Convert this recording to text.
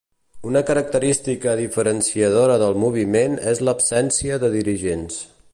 Una característica diferenciadora del moviment és l’absència de dirigents.